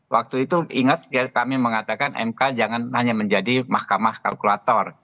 waktu itu ingat kami mengatakan mk jangan hanya menjadi mahkamah kalkulator